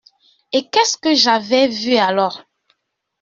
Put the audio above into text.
Et qu’est-ce j’avais vu alors ?